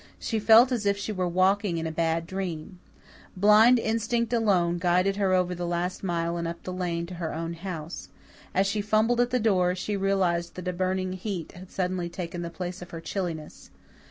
She felt as if she were walking in a bad dream. Blind instinct alone guided her over the last mile and up the lane to her own house. As she fumbled at her door, she realized that a burning heat had suddenly taken the place of her chilliness.